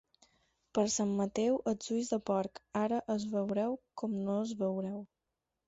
Per Sant Mateu, els ulls de porc, ara els veureu com no els veureu.